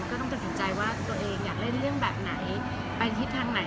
ก็ต้องตัดสินใจว่าตัวเองอยากเล่นเรื่องแบบไหนไปทิศทางไหน